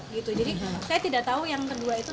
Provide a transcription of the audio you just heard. jadi saya tidak tahu yang kedua itu